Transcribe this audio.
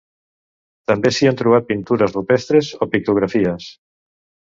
També s'hi han trobat pintures rupestres o pictografies.